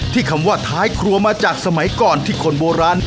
คำว่าท้ายครัวมาจากสมัยก่อนที่คนโบราณ